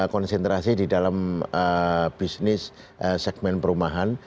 konsentrasi di dalam bisnis segmen perumahan